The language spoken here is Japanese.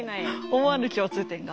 思わぬ共通点が。